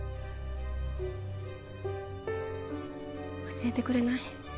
教えてくれない？